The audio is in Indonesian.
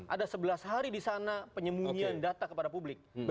ada sebelas hari di sana penyembunyian data kepada publik